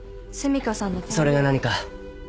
それが何か？